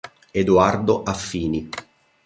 Edoardo Affini